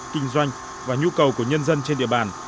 kinh doanh và nhu cầu của nhân dân trên địa bàn